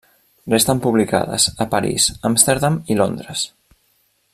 Resten publicades a París, Amsterdam i Londres.